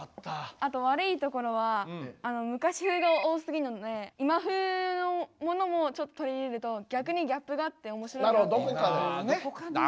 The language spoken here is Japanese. あとわるいところは昔風が多すぎるので今風のものもちょっと取り入れると逆にギャップがあっておもしろいなって。